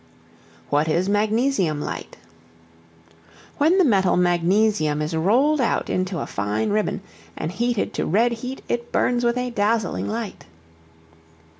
What is Magnesium Light? When the metal magnesium is rolled out into a fine ribbon and heated to red heat it burns with a dazzling light.